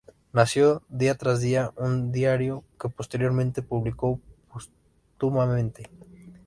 Nació, día tras día, un diario que posteriormente publicó póstumamente.